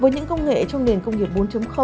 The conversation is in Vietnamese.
với những công nghệ trong nền công nghiệp bốn